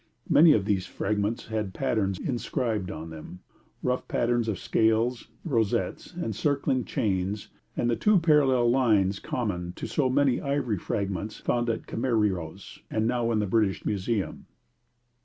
Many of these fragments had patterns inscribed on them rough patterns of scales, rosettes, encircling chains, and the two parallel lines common to so many ivory fragments found at Kameiros, and now in the British Museum.